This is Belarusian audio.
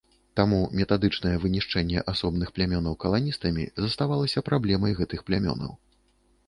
Таму метадычнае вынішчэнне асобных плямёнаў каланістамі заставалася праблемай гэтых плямёнаў.